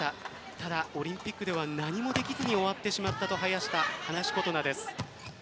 ただ、オリンピックでは何もできずに終わってしまったと話した林琴奈です。